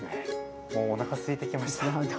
もうおなかすいてきました。